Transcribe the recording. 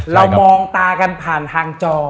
เรามองตากันผ่านทางจอ